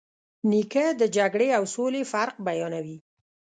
نیکه د جګړې او سولې فرق بیانوي.